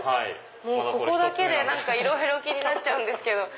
ここだけでいろいろ気になっちゃうんですけど。